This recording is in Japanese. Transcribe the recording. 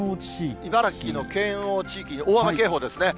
茨城県の県央地域に大雨警報ですね。